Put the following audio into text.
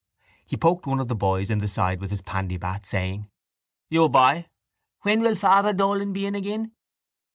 He poked one of the boys in the side with his pandybat, saying: —You, boy! When will Father Dolan be in again?